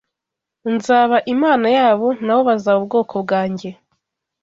nzaba Imana yabo na bo bazaba ubwoko bwanjye